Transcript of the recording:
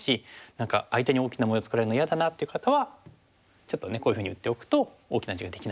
何か相手に大きな模様を作られるの嫌だなっていう方はちょっとねこういうふうに打っておくと大きな地ができないとか。